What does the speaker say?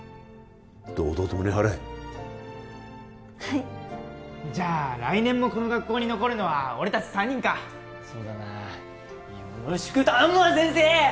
堂々と胸張れはいじゃあ来年もこの学校に残るのは俺達３人かそうだなよろしく頼むわ先生！